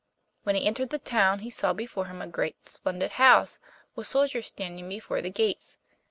When he entered the town he saw before him a great splendid house, with soldiers standing before the gates.